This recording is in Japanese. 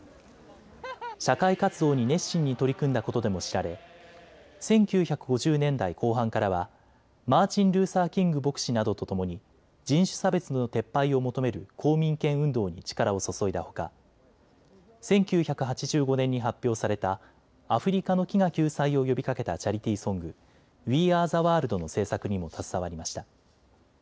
社会活動に熱心に取り組んだことでも知られ１９５０年代後半からはマーチン・ルーサー・キング牧師などとともに人種差別の撤廃を求める公民権運動に力を注いだほか１９８５年に発表されたアフリカの飢餓救済を呼びかけたチャリティーソング、ウィー・アー・ザ・ワールドの制作にも携わりました。